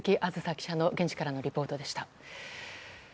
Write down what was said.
記者の現地からのリポートでした。